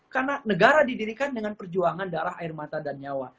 karena negara didirikan dengan perjuangan darah air mata dan nyawa